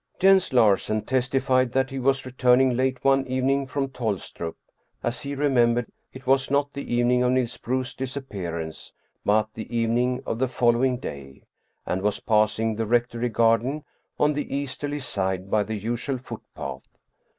Jens Larsen testified that he was returning late one evening from Tolstrup (as he remembered, it was not the evening of Niels Bruus's disappearance, but the evening of the following day), and was passing the rectory garden on the easterly side by the usual footpath.